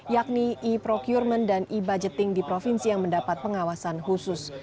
yakni e procurement dan e budgeting di provinsi yang mendapat pengawasan khusus